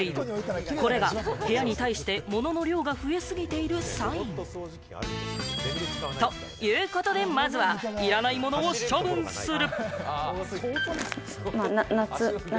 これが部屋に対して物が増えすぎているサイン。ということで、まずは、いらない物を処分する。